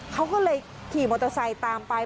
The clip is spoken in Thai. เขาก็เลยขี่มอเตอร์ไซค์ตามไป